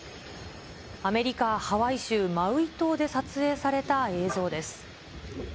アメリカ・ハワイ州マウイ島で撮影された映像です。